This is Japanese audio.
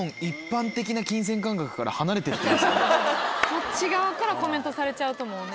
そっち側からコメントされちゃうともうね。